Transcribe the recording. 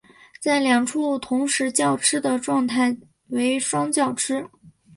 在两处同时叫吃的状态为双叫吃。